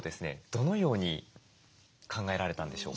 どのように考えられたんでしょうか？